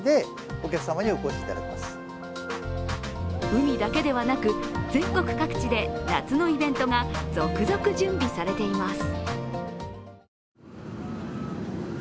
海だけではなく、全国各地で夏のイベントが続々準備されています。